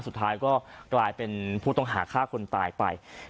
สุดท้ายก็กลายเป็นผู้ต้องหาฆ่าคนตายไป